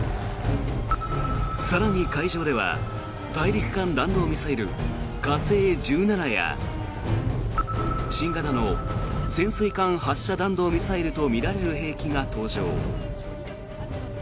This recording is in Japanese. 更に会場では大陸間弾道ミサイル火星１７や新型の潜水艦発射弾道ミサイルとみられる兵器が登場。